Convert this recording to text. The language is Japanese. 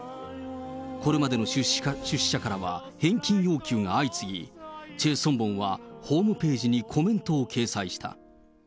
これまでの出資者からは返金要求が相次ぎ、チェ・ソンボンはホームページにコメントを掲載した。